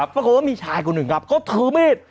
ปรากฏว่ามีชายคนอื่นก็ถือมีด